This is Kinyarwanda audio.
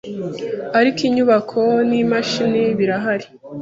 ariko inyubako n’imashini birahari